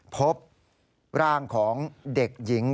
พบร่างของเด็กหญิง